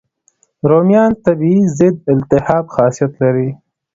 رومیان طبیعي ضد التهاب خاصیت لري.